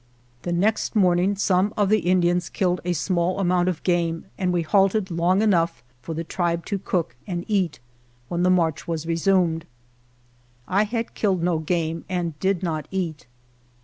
The next morning some of the Indians killed a small amount of game and we halted long enough for the tribe to cook and eat, when the march was resumed. I had killed no game, and did not eat.